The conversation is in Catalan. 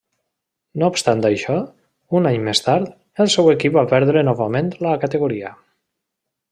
No obstant això, un any més tard, el seu equip va perdre novament la categoria.